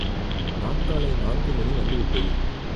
Not காலை நான்கு மணி வந்து விட்டது.